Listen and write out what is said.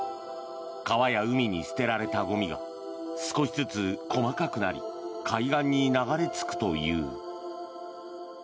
川や海に捨てられたゴミが少しずつ細かくなり海岸に流れ着くという。